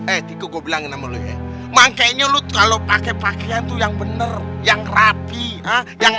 etiko gobelang namanya mangkainya lu kalau pakai pakaian tuh yang bener yang rapi yang